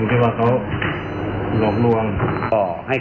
กระบวนการแบบนี้ไม่เป็นความจริง